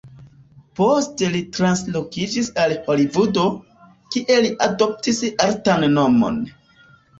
Poste li translokiĝis al Holivudo, kie li adoptis artan nomon.